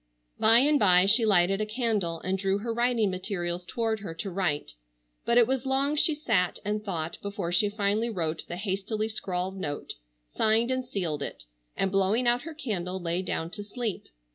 By and by she lighted a candle and drew her writing materials toward her to write, but it was long she sat and thought before she finally wrote the hastily scrawled note, signed and sealed it, and blowing out her candle lay down to sleep.